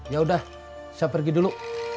yaudah saya pergi dulu